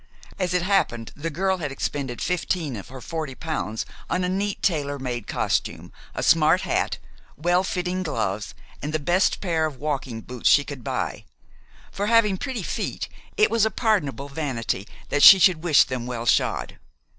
As it happened, the girl had expended fifteen of her forty pounds on a neat tailor made costume, a smart hat, well fitting gloves, and the best pair of walking boots she could buy; for, having pretty feet, it was a pardonable vanity that she should wish them well shod.